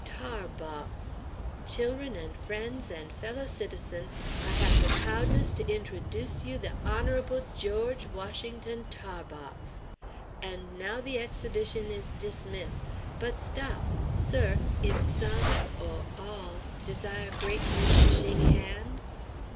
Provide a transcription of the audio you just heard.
"Tar box. Chil'run and friends and fellow citizen', I have the p'oudness to int'oduce you the hono'able George Washington Tarbox! And now the exhibition is dismiss'; but stop! Sir, if some aw all desire gratefully to shake hand'?"